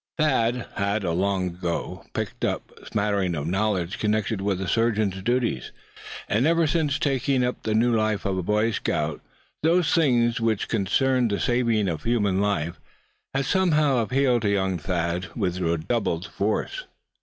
He had long ago picked up a smattering of knowledge connected with a surgeon's duties; and ever since taking up the new life of a Boy Scout, those things which concerned the saving of human life had somehow appealed to young Thad with redoubled force.